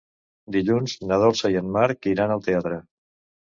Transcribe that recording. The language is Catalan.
Dilluns na Dolça i en Marc iran al teatre.